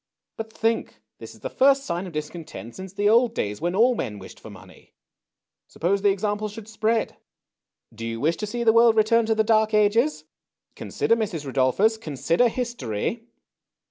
" But think : this is the first sign of discontent since the old days when all men wished for money. Suppose the example should spread ? Do you wish to see the world return to the Dark Ages ? Consider, Mrs. Rudolphus, consider history."